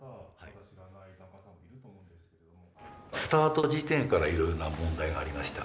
スタート時点からいろいろな問題がありました。